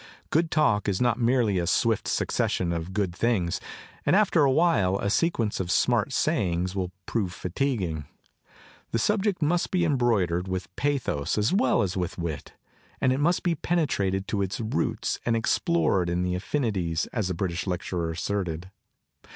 Good talk is not merely a swift succession of good things; and after a while a sequence of smart sayings will prove fatiguing. The subject must be embroidered with pathos as well as with wit, and it must be penetrated to its roots and ex plored in its affinities, as the British lecturer asserted.